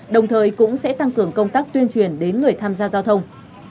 đồng thời cũng sẽ tăng cường công tác tuyên truyền đến người tham gia giao thông